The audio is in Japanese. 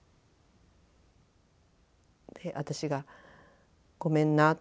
私が「ごめんな。